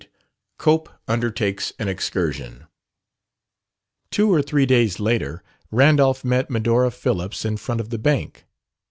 8 COPE UNDERTAKES AN EXCURSION Two or three days later, Randolph met Medora Phillips in front of the bank.